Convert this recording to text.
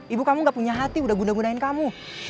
ibu kamu gak punya hati udah guna gunain kamu